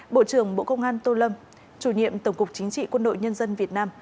bộ trưởng bộ công an tô lâm chủ nhiệm tổng cục chính trị quân đội nhân dân việt nam